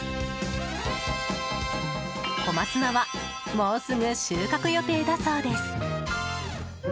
小松菜はもうすぐ収穫予定だそうです。